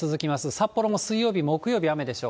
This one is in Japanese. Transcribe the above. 札幌も水曜日、木曜日雨でしょう。